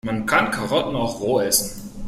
Man kann Karotten auch roh essen.